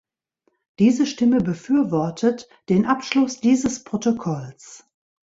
Diese Stimme befürwortet den Abschluss dieses Protokolls.